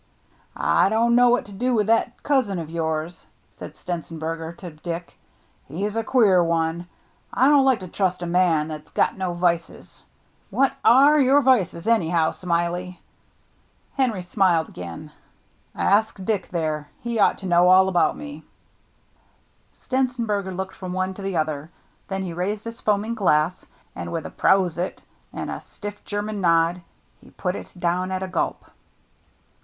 " I don't know what to do with that cousin of yours," said Stenzenberger to Dick. " He's a queer one. I don't like to trust a man that's got no vices. What are your vices, anyhow. Smiley?" Henry smiled again. "Ask Dick, there. He ought to know all about me." THE NEW MATE 53 Stenzenberger looked from one to the other ; then he raised his foaming glass, and with a " Prosit and a stiff German nod, he put it down «t a gulp.